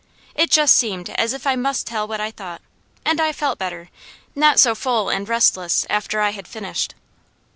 It just seemed as if I must tell what I thought, and I felt better, not so full and restless after I had finished.